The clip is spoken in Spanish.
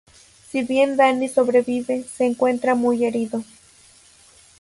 Si bien Danny sobrevive, se encuentra muy herido.